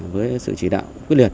với sự chỉ đạo quyết liệt